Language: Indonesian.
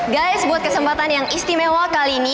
guys buat kesempatan yang istimewa kali ini